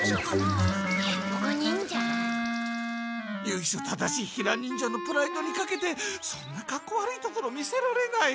ゆいしょ正しいヒラ忍者のプライドにかけてそんなかっこ悪いところ見せられない！